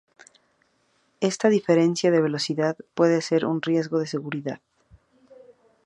Esta diferencia de velocidad puede ser un riesgo de seguridad.